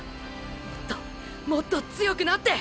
もっともっと強くなって！！